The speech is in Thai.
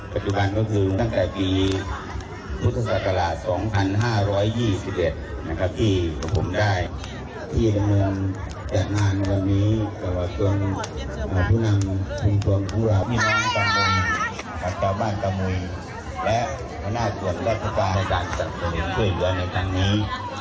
ปัจจุบันก็คือตั้งแต่ปีมุฒสกราช๒๕๒๑ที่ผมได้ที่ดำเนินจากงานวันนี้กับพุนิศคุณภวราพี่น้องขาวบ้านตะมุยและพนาศวรรษรัฐกาลสรรค์สถานกภัยเท่าเหลือในตังนี้